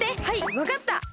はいわかった！